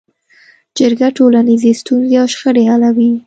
جرګه ټولنیزې ستونزې او شخړې حلوي